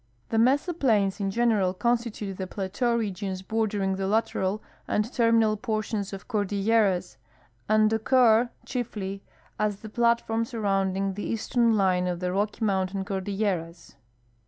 The mesa plains in general constitute the plateau regions bordering the lateral and terminal portions of cordilleras, and occur chiefly as the platform surrounding the eastern line of the Rocky mountain cordilleras.